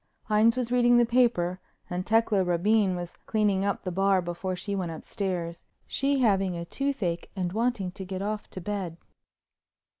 Hines was reading the paper and Tecla Rabine was cleaning up the bar before she went upstairs, she having a toothache and wanting to get off to bed.